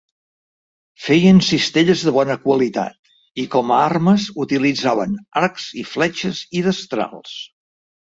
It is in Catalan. Feien cistelles de bona qualitat, i com a armes utilitzaven arcs i fletxes i destrals.